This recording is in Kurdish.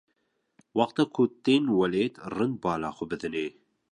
wexta ku tên welêt rind bala xwe bidinê.